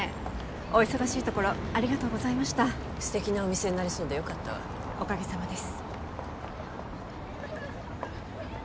お忙しいところありがとうございました素敵なお店になりそうでよかったわおかげさまです